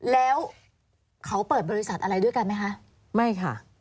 แล้วเขาเปิดบริษัทอะไรด้วยกันไหมคะไม่ค่ะ